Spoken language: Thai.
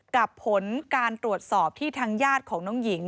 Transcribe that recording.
ผลการตรวจสอบที่ทางญาติของน้องหญิง